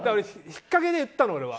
引っかけで言ったの、俺は。